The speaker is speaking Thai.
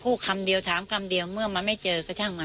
คำเดียวถามคำเดียวเมื่อมันไม่เจอก็ช่างมัน